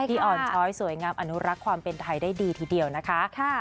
ที่อ่อนช้อยสวยงามอนุรักษ์ความเป็นไทยได้ดีทีเดียวนะคะ